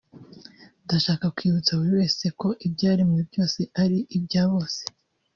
ndashaka kwibutsa buri wese ko ibyaremwe byose ari ibya bose